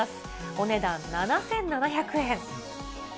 お値段７７００円。